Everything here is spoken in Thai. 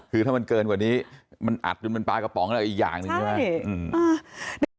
คือถ้ามันเกินกว่านี้มันอัดจนมันปลากระป๋องอะไรอีกอย่างหนึ่งใช่ไหม